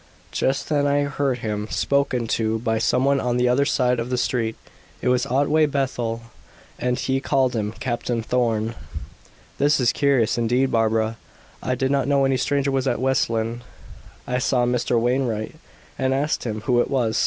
Just then I heard him spoken to by some one on the other side of the street; it was Otway Bethel, and he called him Captain Thorn." "This is curious, indeed, Barbara. I did not know any stranger was at West Lynne." "I saw Mr. Wainwright, and asked him who it was.